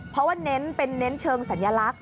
เพราะว่าเน้นเป็นเน้นเชิงสัญลักษณ